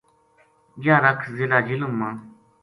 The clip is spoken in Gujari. یاہ رَکھ ضلع جہلم ما